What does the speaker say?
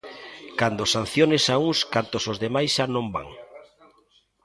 Cando sanciones a uns cantos os demais xa non van.